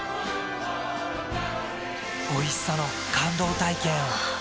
おいしさの感動体験を。